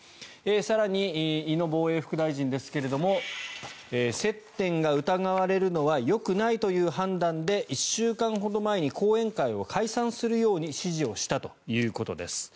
更に、井野防衛副大臣ですが接点が疑われるのはよくないという判断で１週間ほど前に後援会を解散するように指示をしたということです。